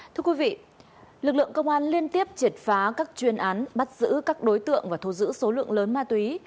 thưa quý vị lực lượng công an liên tiếp triệt phá các chuyên án bắt giữ các đối tượng và thu giữ số lượng lớn ma túy